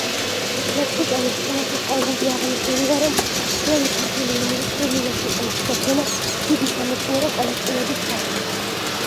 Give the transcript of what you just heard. ლექსიკონის წინასიტყვაობაში აღნიშნულია, რომ ძველი ქართული ენის სრული ლექსიკონის შედგენა დიდი სამეცნიერო კოლექტივების საქმეა.